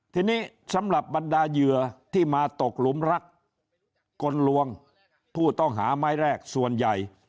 ทีนี้สำหรับบรรดาเหยื่อที่มาตกหลุมรักกลลวงผู้ต้องหาไม้แรกส่วนใหญ่